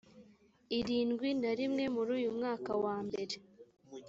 irindwi na rimwe muri uyu mwaka wa mbere